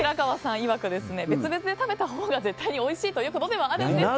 いわく別々で食べたほうが絶対においしいということではあるんですが。